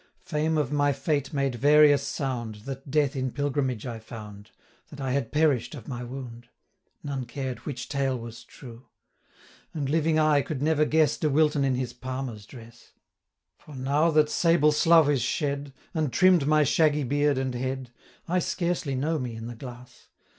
Fame of my fate made various sound, That death in pilgrimage I found, That I had perish'd of my wound, None cared which tale was true: 215 And living eye could never guess De Wilton in his Palmer's dress; For now that sable slough is shed, And trimm'd my shaggy beard and head, I scarcely know me in the glass.